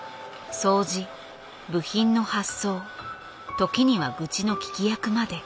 掃除部品の発送時には愚痴の聞き役まで。